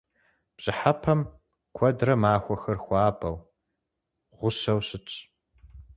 Бжьыхьэпэм куэдрэ махуэхэр хуабэу, гъущэу щытщ.